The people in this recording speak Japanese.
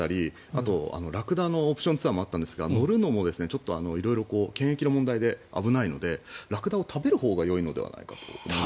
あと、ラクダのオプションツアーもあったんですが乗るのも色々検疫の問題で危ないのでラクダを食べるほうがよいのではないかと。